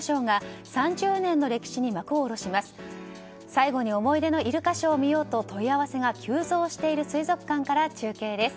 最後に思い出のイルカショーを見ようと問い合わせが急増している水族館から中継です。